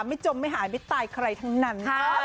จมไม่หายไม่ตายใครทั้งนั้น